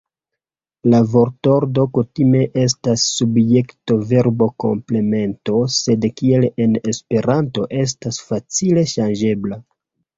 La vortordo kutime estas subjekto-verbo-komplemento, sed kiel en Esperanto estas facile ŝanĝebla.